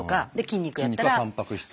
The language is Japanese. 筋肉はたんぱく質。